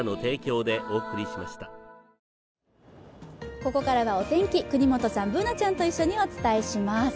ここからはお天気、國本さん、Ｂｏｏｎａちゃんと一緒にお伝えします